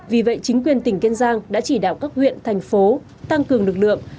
vì vậy chính quyền tỉnh kiên giang đã chỉ đạo các huyện thành phố tăng cường lực lượng